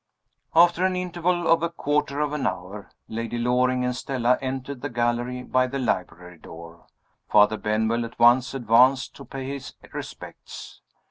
After an interval of a quarter of an hour, Lady Loring and Stella entered the gallery by the library door. Father Benwell at once advanced to pay his respects.